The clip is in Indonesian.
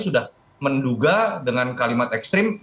sudah menduga dengan kalimat ekstrim